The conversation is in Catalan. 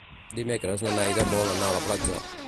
Dimecres na Neida vol anar a la platja.